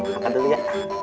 makan dulu ya